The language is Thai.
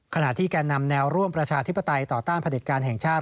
ขณะที่แก่นำแนวร่วมประชาธิปไตยต่อต้านพระเด็จการแห่งชาติ